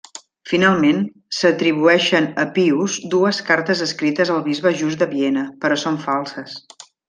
Finalment, s'atribueixen a Pius dues cartes escrites al bisbe Just de Viena, però són falses.